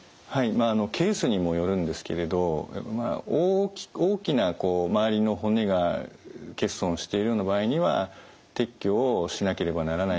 まあケースにもよるんですけれど大きなこう周りの骨が欠損しているような場合には撤去をしなければならないこともあります。